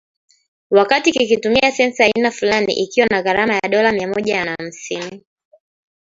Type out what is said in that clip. wakati kikitumia sensa ya aina fulani, ikiwa na gharama ya dola mia moja na hamsini